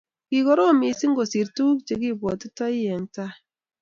Kikoroom mising kosir tuk che kikibwotitoi eng tai